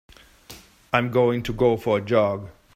I'm going to go for a jog.